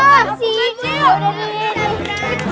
lah makanan doang sih